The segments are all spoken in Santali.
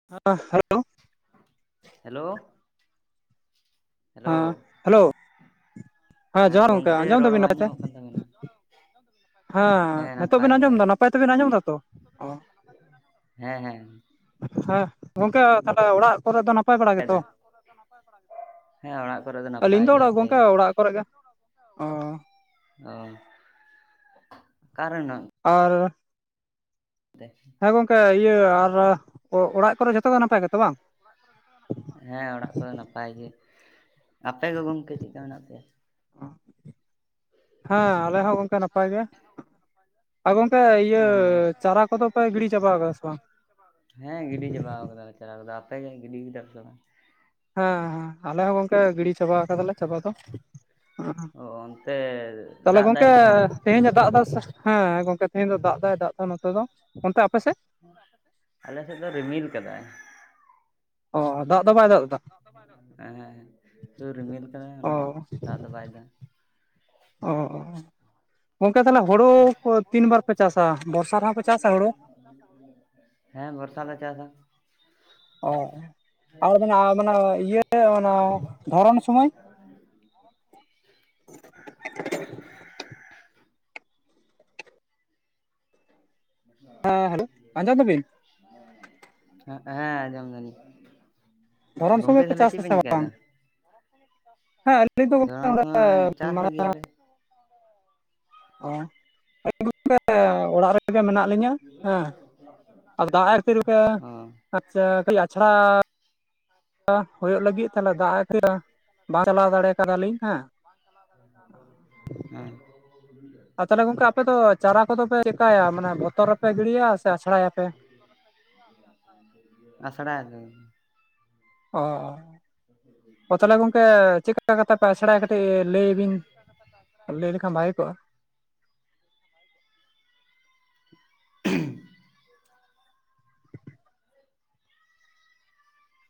[unintelligible] ᱦᱮᱞᱳ ᱦᱮᱞᱳ ᱦᱮᱸ ᱦᱮᱞᱳ ᱦᱮᱸ ᱡᱚᱦᱟᱨ ᱜᱚᱝᱠᱮ ᱟᱸᱡᱚᱢ ᱨᱚᱲ ᱫᱟᱵᱤᱱ ᱵᱟᱝ ᱟᱢᱚᱢᱚᱜ ᱠᱟᱱ ᱛᱟᱵᱤᱱᱟ [unintelligible] ᱦᱮᱸ ᱦᱟᱸ ᱱᱤᱛᱳᱜ ᱱᱟᱯᱟᱭ ᱵᱤᱱ ᱜᱮ ᱟᱸᱡᱚᱢ ᱮᱫᱟ ᱱᱟᱯᱟᱭ ᱛᱮᱵᱮᱱ ᱟᱸᱡᱚᱢ ᱫᱟᱛᱚ ᱦᱮᱸ ᱦᱮᱸ ᱦᱮᱸ ᱜᱚᱝᱠᱮ ᱛᱟᱦᱞᱮ ᱚᱲᱟᱜ ᱠᱚᱨᱮ ᱫᱚ ᱱᱟᱯ ᱱᱟᱯᱟᱭ ᱵᱟᱲᱟ ᱜᱮᱛᱚ ᱦᱮᱸ ᱚᱲᱟᱜ ᱠᱚᱨᱮ ᱟᱹᱞᱤᱧ ᱱᱟᱯᱟᱭ ᱫᱚ ᱜᱮ ᱟᱯᱮ ᱜᱚᱝᱠᱮ ᱜᱮ ᱚᱲᱟᱜ ᱠᱚᱨᱮ ᱜᱮ ᱚᱻ ᱚ ᱚᱠᱟᱨᱮ ᱢᱮᱱᱟᱜ ᱟᱨ ᱯᱮ ᱦᱮᱸ ᱜᱚᱝᱠᱮ ᱤᱭᱟᱹ ᱟᱨ ᱚᱲᱟᱜ ᱠᱚᱨᱮ ᱡᱷᱚᱛᱚ ᱜᱮ ᱱᱟᱯᱟᱭ ᱜᱮᱛᱚ ᱵᱟᱝ ᱦᱮᱸ ᱚᱲᱟᱜ ᱠᱚᱨᱮ ᱱᱟᱯᱟᱭ ᱜᱮ ᱟᱯᱮ ᱜᱮ ᱜᱚᱝᱠᱮ ᱪᱮᱫ ᱞᱮᱠᱟ ᱢᱮᱱᱟᱜ ᱯᱮᱭᱟ ᱦᱟᱸ ᱟᱞᱮ ᱦᱚᱸ ᱜᱚᱝᱠᱮ ᱱᱟᱯᱟᱭ ᱜᱮ ᱟ ᱜᱚᱝᱠᱮ ᱤᱭᱟᱹ ᱚ ᱪᱟᱨᱟ ᱠᱚᱫᱚ ᱯᱮ ᱜᱤᱲᱤ ᱪᱟᱵᱟ ᱠᱟᱫᱟ ᱥᱮ ᱵᱟᱝ ᱦᱮᱸ ᱜᱤᱰᱤ ᱪᱟᱵᱟᱣ ᱠᱟᱫᱟᱞᱮ [inaudible] ᱟᱯᱮ ᱜᱮ ᱜᱤᱰᱤ ᱠᱮᱫᱟ ᱯᱮᱥᱮ ᱵᱟᱝ ᱦᱟᱸ ᱦᱟᱸ ᱟᱞᱮ ᱦᱚᱸ ᱜᱚᱝᱠᱮ ᱜᱤᱰᱤ ᱪᱟᱵᱟ ᱠᱟᱫᱟᱞᱮ ᱪᱟᱵᱟ ᱫᱚ [unintelligible] ᱚ ᱚᱱᱛᱮ ᱛᱟᱦᱚᱞᱮ ᱫᱟᱜ ᱫᱟᱭ ᱜᱚᱝᱠᱮ ᱥᱮ ᱵᱟᱝ ᱛᱮᱦᱮᱧ ᱫᱟᱜ ᱫᱟᱭ ᱥᱮ ᱦᱮᱸ ᱜᱚᱝᱠᱮ ᱛᱮᱦᱮᱧ ᱫᱚ ᱫᱟᱜ ᱫᱟᱭ ᱫᱟᱜ ᱫᱟ ᱱᱚᱛᱮ ᱫᱚ ᱚᱱᱛᱮ ᱟᱯᱮᱥᱮᱫ ᱟᱞᱮ ᱥᱮᱫ ᱫᱚ ᱨᱤᱢᱤᱞ ᱠᱟᱫᱟᱭ ᱚ ᱫᱟᱜ ᱫᱚ ᱵᱟᱭ ᱫᱟᱜ ᱮᱫᱟ ᱫᱟᱜ ᱫᱚ ᱵᱟᱭ ᱫᱟᱜ ᱫᱟ ᱮᱦᱮᱜ ᱮᱦᱮᱜ ᱥᱩᱫᱩ ᱨᱤᱢᱤᱞ ᱠᱟᱫᱟᱭ ᱚ ᱚᱱᱟ ᱫᱟᱜ ᱫᱚ ᱵᱟᱭ ᱫᱟᱜ ᱚ ᱜᱚᱢᱠᱮ ᱛᱟᱦᱚᱞᱮ ᱦᱳᱲᱳ ᱠᱚ ᱛᱤᱱ ᱵᱟᱨ ᱯᱮ ᱪᱟᱥᱟ ᱵᱚᱨᱥᱟ ᱨᱮᱦᱚᱸ ᱯᱮ ᱪᱟᱥᱟ ᱦᱳᱲᱳ ᱦᱮᱸ ᱵᱚᱨᱥᱟ ᱞᱮ ᱪᱟᱥᱟ ᱚ ᱟᱨ ᱢᱟᱱᱮ ᱟᱨ ᱢᱟᱱᱮ ᱤᱭᱟᱹ ᱚᱱᱟ ᱫᱷᱚᱨᱚᱱ ᱥᱚᱢᱚᱭ ᱮᱸ ᱦᱮᱞᱳ ᱟᱸᱡᱚᱢ ᱫᱟᱵᱤᱱ ᱦᱮᱸ ᱟᱡᱚᱢ ᱫᱟᱞᱤᱧ ᱫᱷᱚᱨᱚᱱ ᱜᱚᱢᱠᱮ ᱥᱚᱢᱚᱭ ᱯᱮ ᱛᱟᱦᱚᱞᱮ ᱪᱟᱥᱟ ᱪᱮᱫ ᱥᱮ ᱵᱤᱱ ᱪᱤᱠᱟᱹᱭ ᱵᱟᱝ ᱫᱟ ᱦᱮᱸ ᱟᱹᱞᱤᱧ ᱫᱚ ᱜᱚᱝᱠᱮ ᱫᱷᱚᱨᱚᱱ ᱚᱸᱰᱮ ᱥᱚᱢᱚᱭ ᱪᱟᱥ ᱢᱟᱱᱮ ᱜᱮᱭᱟᱞᱮ ᱚ ᱜᱚᱝᱠᱮ ᱚᱲᱟᱜ ᱨᱮ ᱨᱮᱜᱮ ᱢᱮᱱᱟᱜ ᱞᱤᱧᱟᱹ ᱦᱮᱸ ᱟᱨ ᱫᱟᱜ ᱮᱫ ᱠᱷᱟ. ᱛᱤᱨ ᱛᱮ ᱚ ᱟᱪᱪᱷᱟ ᱠᱷᱟ. ᱞᱤ ᱟᱪᱷᱟᱲᱟ ᱦᱳᱭᱳᱜ ᱞᱟᱹᱜᱤᱫ ᱛᱟᱦᱚᱞᱮ ᱫᱟᱜ [unintelligible] ᱵᱟᱝ ᱪᱟᱞᱟᱣ ᱫᱟᱲᱮ ᱠᱟᱫᱟᱞᱤᱧ ᱦᱮᱸ ᱵᱟᱝ ᱪᱟᱞᱟᱣ ᱫᱟᱲᱮ ᱠᱟᱫᱟᱞᱤᱧ ᱦᱮ [unintelligible] ᱟᱨ ᱛᱟᱦᱚᱞᱮ ᱜᱚᱝᱠᱮ ᱟᱯᱮ ᱫᱚ ᱪᱟᱨᱟ ᱠᱚᱫᱚ ᱯᱮ ᱪᱮᱠᱟᱭᱟ ᱢᱟᱱᱮ ᱵᱚᱛ ᱨᱮᱯᱮ ᱜᱤᱲᱤᱭᱟ ᱥᱮ ᱟᱪᱷᱲᱟ ᱭᱟ ᱯᱮ ᱟᱪᱷᱲᱟᱭᱟᱞᱮ ᱚ ᱚ ᱛᱟᱦᱚᱞᱮ ᱜᱚᱝᱠᱮ ᱪᱮᱫᱠᱟ ᱠᱟᱛᱮ ᱯᱮ ᱟᱪᱷᱲᱟᱭᱟ ᱠᱟᱹᱴᱤᱡ ᱞᱟᱹᱭ ᱵᱤᱱ ᱞᱟᱹᱭ ᱞᱮᱠᱷᱟᱱ ᱵᱷᱟᱜᱮ ᱠᱚᱜᱼᱟ ᱾ [inaudible]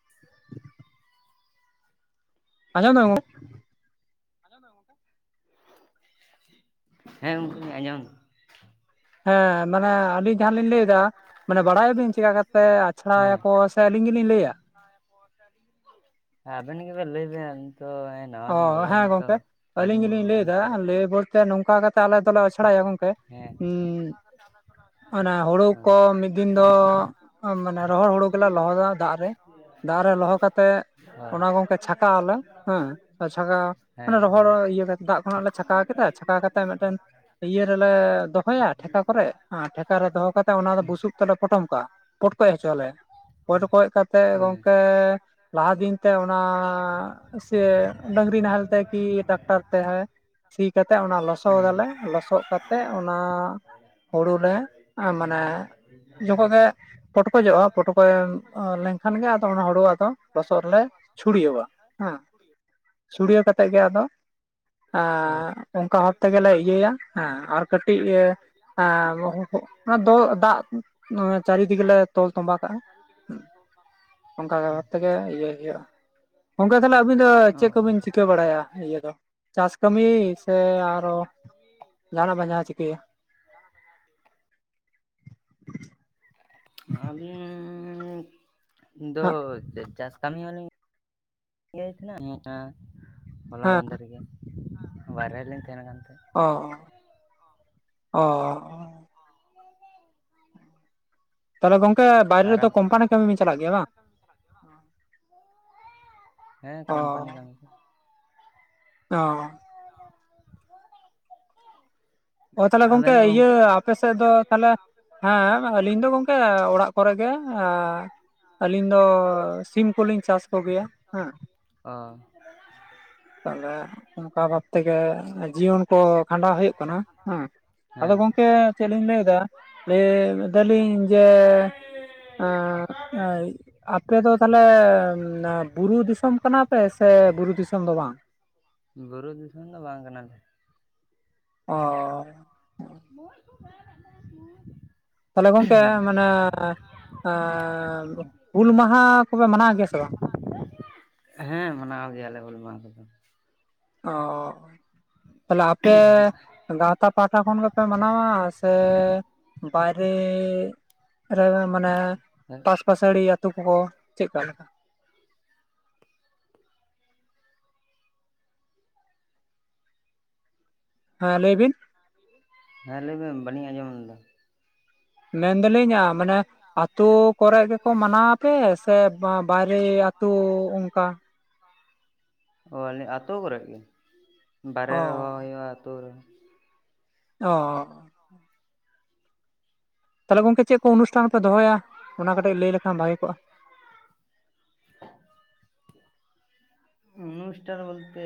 [inaudible] ᱟᱸᱡᱚᱢ ᱫᱟ ᱜᱚᱝᱠᱮ ᱟᱸᱡᱚᱢ ᱫᱟ ᱜᱟᱝᱠᱮ? ᱦᱮᱸ ᱜᱚᱝᱠᱮ ᱟᱸᱡᱚᱢ ᱫᱟ ᱾ ᱦᱮᱸ ᱢᱟᱱᱮ ᱟᱹᱞᱤᱧ ᱡᱟᱦᱟᱸ ᱞᱤᱧ ᱞᱟᱹᱭ ᱫᱟ ᱢᱟᱱᱮ ᱵᱟᱲᱟᱭᱟᱵᱤᱱ ᱪᱮᱠᱟ ᱠᱟᱛᱮ ᱟᱪᱷᱲᱟᱭᱟᱠᱚ ᱥᱮ ᱟᱹᱞᱤᱧ ᱜᱮᱞᱤᱧ ᱞᱟᱹᱭᱟ ᱠᱚ ᱥᱮ ᱟ. ᱞᱤᱧ ᱜᱮᱞᱤᱧ ᱞᱟ. ᱭᱟ ᱟᱵᱮᱱ ᱜᱮ ᱵᱮᱱ ᱞᱟᱹᱭ ᱵᱮᱱ ᱛᱚ ᱱᱟᱣᱟ ᱚ ᱞᱤᱧ ᱦᱮᱸ ᱵᱚᱞᱚᱭᱮᱱᱟ ᱛᱚ ᱜᱚᱝᱠᱮ ᱟᱹᱞᱤᱧ ᱵᱟᱹᱞᱤᱧ ᱜᱮᱞᱤᱧ ᱞᱟᱹᱭ ᱵᱩᱡᱽ ᱫᱟ ᱫᱟᱲᱮᱭᱟᱜ ᱞᱟᱹᱭ ᱵᱚᱞᱛᱮ ᱱᱚᱝᱠᱟ ᱠᱟ ᱟᱞᱮ ᱫᱚᱞᱮ ᱟᱪᱷᱲᱟᱭᱟ ᱜᱚᱝᱠᱮ ᱦᱮᱸ ᱚᱱᱮ ᱦᱩᱲᱩ ᱦᱮᱸ ᱠᱚ ᱢᱤᱫ ᱫᱤᱱ ᱫᱚ ᱢᱟᱱᱮ ᱨᱚᱦᱚᱲ ᱦᱩᱲᱩ ᱜᱮᱞᱮ ᱞᱚᱦᱚᱫᱟ ᱫᱟᱜ ᱨᱮ ᱫᱟᱜ ᱨᱮ ᱞᱚᱦᱚ ᱠᱟᱛᱮ ᱚᱱᱟ ᱜᱚᱝᱠᱮ ᱪᱷᱟᱠᱟᱣ ᱟᱞᱮ [inaudible] ᱪᱷᱟᱠᱟᱣ ᱢᱟᱱᱮ ᱨᱚᱦᱚᱲ ᱦᱮᱸ ᱤᱭᱟᱹ ᱠᱟᱛᱮ ᱫᱟᱜ ᱠᱷᱚᱱᱟᱜ ᱞᱮ ᱪᱷᱟᱠᱟᱣ ᱠᱮᱫᱟ ᱪᱷᱟᱠᱟᱣ ᱠᱟᱛᱮ ᱢᱤᱫᱴᱮᱱ ᱤᱭᱟᱹ ᱨᱮᱞᱮ ᱫᱚᱦᱚᱭᱟ ᱴᱷᱮᱠᱟ ᱠᱚᱨᱮ ᱟᱨ ᱴᱷᱮᱠᱟ ᱨᱮ ᱫᱚᱦᱚ ᱠᱟᱛᱮ ᱚᱱᱟ ᱫᱚ ᱵᱩᱥᱩᱵ ᱛᱮᱞᱮ ᱯᱚᱴᱚᱢ ᱠᱟᱜᱼᱟ ᱯᱚᱴ ᱠᱚᱡ ᱦᱚᱪᱚ ᱟᱞᱮ ᱯᱚᱴᱠᱚᱡ ᱠᱟᱛᱮ ᱦᱮᱸ ᱜᱚᱝᱠᱮ ᱞᱟᱦᱟ ᱫᱤᱱ ᱛᱮ ᱚᱱᱟ ᱥᱮ ᱰᱟᱝᱨᱤ ᱱᱟᱦᱮᱞᱛᱮ ᱠᱤ ᱴᱟᱠᱴᱟᱨ ᱛᱮ ᱥᱤ ᱠᱟᱛᱮ ᱚᱱᱟ ᱦᱮᱸ ᱞᱚᱥᱚᱫᱟᱞᱮ ᱞᱚᱥᱚᱫ ᱠᱟᱛᱮ ᱚᱱᱟ ᱦᱩᱲᱩ ᱞᱮ ᱢᱟᱱᱮ ᱡᱚᱠᱷᱚᱡ ᱜᱮ [inaudible] ᱯᱚᱴᱠᱚᱡᱚᱜᱼᱟ ᱯᱚᱴᱠᱚᱡ ᱞᱮᱱᱠᱷᱟᱱ ᱜᱮ ᱟᱫᱚ ᱚᱱᱟ ᱦᱩᱲᱩ ᱟᱫᱚ ᱞᱚᱥᱚᱫ ᱨᱮᱞᱮ ᱪᱷᱩᱲᱭᱟᱹᱣᱼᱟ ᱾ ᱦᱮ ᱪᱷᱩᱲᱭᱟ. ᱣ ᱠᱟᱛᱮ ᱜᱮ ᱟᱫᱚ ᱚᱱᱠᱟ ᱵᱷᱟᱵ ᱛᱮᱜᱮ ᱞᱮ ᱤᱭᱟᱹᱭᱟ ᱦᱮᱸ ᱟᱨ ᱠᱟᱹᱴᱤᱡ ᱮ ᱫᱚ ᱫᱟᱜ ᱪᱟᱨᱤᱫᱤᱠᱮ ᱞᱮ ᱛᱚᱞ ᱛᱚᱸᱵᱟ ᱠᱟᱜᱼᱟ ᱾ ᱚᱱᱠᱟ ᱛᱮᱜᱮ ᱤᱭᱟᱹᱭ ᱦᱩᱭᱩᱜᱼᱟ ᱜᱚᱝᱠᱮ ᱛᱟᱦᱞᱮ ᱟᱹᱵᱤᱱ ᱫᱚ ᱚ ᱚ ᱪᱮᱫ ᱠᱚᱵᱤᱱ ᱪᱤᱠᱟᱹ ᱵᱟᱲᱟᱭᱟ ᱤᱭᱟᱹ ᱫᱚ ᱪᱟᱥ ᱠᱟᱹᱢᱤ ᱥᱮ ᱟᱨᱚ ᱡᱟᱦᱟᱱᱟᱜ ᱵᱟᱝ ᱡᱟᱦᱟᱸ ᱪᱤᱠᱟᱹᱭᱟ? [inaudible] ᱟᱹᱞᱤᱧ ᱫᱚ ᱦᱮᱸ ᱪᱟᱥ ᱠᱟᱹᱢᱤ ᱦᱚᱸᱞᱤᱧ [unintelligible] ᱮᱸ ᱟ ᱦᱚᱞᱟ ᱦᱮᱸ ᱢᱟᱸᱫᱮᱨ ᱜᱮ᱾ ᱵᱟᱨᱦᱮ ᱞᱤᱧ ᱛᱟᱦᱮᱱᱟ ᱜᱚᱝᱠᱮ᱾ ᱚ, ᱚ᱾ [unintelligible] ᱛᱟᱦᱚᱞᱮ ᱜᱚᱝᱠᱮ ᱵᱟᱭᱨᱮ ᱟᱨ ᱨᱮᱫᱚ ᱠᱳᱢᱯᱟᱱᱤ ᱠᱟᱹᱢᱤ ᱵᱤᱱ ᱪᱟᱞᱟᱜ ᱜᱮᱭᱟ ᱵᱟᱝ? [unintelligible] ᱦᱮᱸ ᱚ ᱠᱳᱢᱯᱟᱱᱤ ᱠᱟᱹᱢᱤ ᱠᱩ᱾ ᱚᱸ᱾ ᱚ ᱛᱟᱦᱚᱞᱮ ᱜᱚᱝᱠᱮ ᱟᱵᱮᱱ ᱫᱚ ᱤᱭᱟᱹ ᱜᱚᱢᱠᱮ ᱟᱯᱮ ᱥᱮᱫ ᱫᱚ ᱛᱟᱦᱚᱞᱮ ᱦᱮᱸ ᱟᱹᱞᱤᱧ ᱫᱚ ᱜᱚᱝᱠᱮ ᱚᱲᱟᱜ ᱠᱚᱨᱮ ᱜᱮ ᱮᱸ᱾ ᱟᱹᱞᱤᱧ ᱫᱚ ᱥᱤᱢ ᱠᱚᱞᱤᱧ ᱪᱟᱥ ᱠᱚ ᱜᱮᱭᱟ ᱦᱮᱸ᱾ ᱚᱸ᱾ ᱛᱟᱦᱚᱞᱮ ᱚᱱᱠᱟ ᱵᱷᱟᱵ ᱛᱮᱜᱮ ᱡᱤᱭᱚᱱ ᱠᱚ ᱠᱷᱟᱸᱰᱟᱣ ᱦᱩᱭᱩᱜ ᱠᱟᱱᱟ᱾ ᱦᱮᱸ ᱟᱫᱚ ᱦᱮᱸ ᱜᱚᱝᱠᱮ ᱪᱮᱫ ᱞᱤᱧ ᱞᱟᱹᱭᱫᱟ ᱞᱟᱹᱭ ᱫᱟᱞᱤᱧ ᱡᱮ ᱮᱸ ᱟᱹᱭ ᱟᱯᱮ ᱫᱚ ᱛᱟᱦᱚᱞᱮ ᱱᱮ ᱵᱩᱨᱩ ᱫᱤᱥᱚᱢ ᱠᱟᱱᱟ ᱯᱮ ᱥᱮ ᱵᱩᱨᱩ ᱫᱤᱥᱚᱢ ᱫᱚ ᱵᱟᱝ? ᱵᱩᱨᱩ ᱫᱤᱥᱚᱢ ᱫᱚ ᱵᱟᱝ ᱠᱟᱱᱟᱞᱮ᱾ ᱚᱸ᱾ [unintelligible] ᱛᱟᱦᱚᱞᱮ ᱜᱚᱝᱠᱮ ᱢᱟᱱᱮ ᱮᱸ ᱦᱩᱞ ᱢᱟᱦᱟ ᱠᱚᱯᱮ ᱢᱟᱱᱟᱣ ᱜᱮᱭᱟ ᱥᱮ ᱵᱟᱝ? [inaudible] ᱦᱮᱸ ᱢᱟᱱᱟᱣ ᱜᱮᱭᱟ ᱞᱮ ᱦᱩᱞ ᱢᱟᱦᱟ ᱠᱚᱫᱚ᱾ ᱚ᱾ ᱛᱟᱦᱚᱞᱮ ᱟᱯᱮ ᱜᱟᱶᱛᱟ ᱯᱟᱦᱟᱴᱟ ᱠᱷᱚᱱ ᱜᱮᱯᱮ ᱢᱟᱱᱟᱣᱟ? ᱥᱮ ᱵᱟᱭᱨᱮ ᱨᱮ ᱢᱟᱱᱮ ᱯᱟᱥ ᱯᱟᱹᱥᱟᱹᱲᱤ ᱟᱹᱛᱩ ᱠᱚᱨᱮ ᱪᱮᱜᱠᱟ ᱞᱮᱠᱟ? ᱦᱮᱸ, ᱞᱟᱹᱭ ᱵᱤᱱ᱾ ᱦᱮᱸ, ᱞᱟᱹᱭᱵᱤᱱ ᱵᱟᱹᱞᱤᱧ ᱟᱸᱡᱚᱢ ᱞᱮᱫᱟ᱾ ᱢᱮᱱᱫᱟᱞᱤᱧ ᱟ ᱢᱟᱱᱮ ᱟᱹᱛᱳ ᱠᱚᱨᱮ ᱜᱮᱠᱚ ᱢᱟᱱᱟᱣ ᱟᱯᱮ ᱥᱮ ᱵᱟ-ᱵᱟᱭᱨᱮ ᱟᱹᱛᱳ ᱚᱱᱠᱟ ᱚ ᱟᱞᱮ ᱟᱹᱛᱳ ᱠᱚᱨᱮᱜ ᱜᱮ ᱵᱟᱨᱮ ᱚ ᱨᱮᱦᱚ ᱦᱩᱭᱩᱜ-ᱟ ᱟᱹᱛᱩ ᱨᱮᱦᱚ᱾ ᱚ᱾ ᱛᱟᱦᱚᱞᱮ ᱜᱚᱝᱠᱮ ᱪᱮᱜ ᱠᱚ ᱚᱱᱩᱥᱴᱷᱟᱱ ᱯᱮ ᱫᱚᱦᱚᱭᱟ ᱚᱱᱟ ᱠᱟᱹᱴᱤᱡ ᱞᱟᱹᱭ ᱞᱮᱠᱷᱟᱱ ᱵᱷᱟᱜᱮ ᱠᱚᱜ-ᱟ᱾ [inaudible] ᱩᱱᱩᱥᱴᱟᱱ ᱵᱚᱞᱛᱮ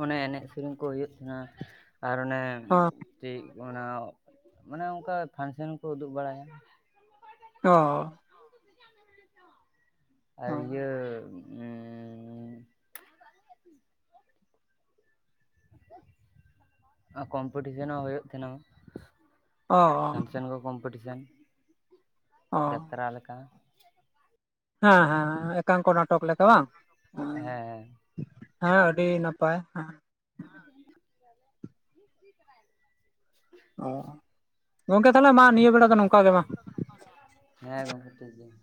ᱚᱱᱮ ᱮᱱᱮᱡ ᱥᱮᱨᱮᱧ ᱠᱚ ᱦᱩᱭᱩᱜ ᱛᱟᱦᱮᱱᱟ ᱟᱨ ᱚᱱᱮ ᱪᱤᱜ ᱚᱱᱟ ᱢᱟᱱᱮ ᱚᱱᱠᱟ ᱯᱷᱟᱱᱥᱮᱱ ᱠᱳ ᱩᱫᱩᱜ ᱵᱟᱲᱟᱭᱟ᱾ ᱚ᱾ [unintelligible] ᱟᱨ ᱚ ᱤᱭᱟᱹ ᱮᱸᱻ ᱟ ᱠᱚᱢᱯᱤᱴᱤᱥᱮᱱ ᱦᱚᱸ ᱦᱩᱭᱩᱜ ᱛᱷᱮᱱᱟ᱾ ᱚ-ᱚ᱾ ᱪᱮᱱᱠᱟ ᱠᱚᱢᱯᱤᱴᱤᱥᱮᱱ ᱚ ᱡᱟᱛᱨᱟ ᱞᱮᱠᱟ᱾ ᱦᱮᱸ ᱦᱮᱸ ᱮᱸ ᱮᱠᱟᱝᱠᱚ ᱱᱟ ᱴᱚᱠ ᱞᱮᱠᱟ ᱵᱟᱝ ᱦᱮᱸ, ᱦᱮᱸ ᱟᱹᱰᱤ ᱱᱟᱯᱟᱭ ᱦᱮᱸ᱾ [unintelligible] ᱚ ᱜᱚᱝᱠᱮ ᱛᱟᱦᱚᱞᱮ ᱢᱟ ᱱᱤᱭᱟᱹ ᱵᱮᱲᱟ ᱫᱚ ᱱᱚᱝᱠᱟ ᱜᱮ ᱢᱟ᱾ ᱦᱮᱸ ᱜᱚᱝᱠᱮ ᱴᱤᱠ ᱜᱮᱭᱟ᱾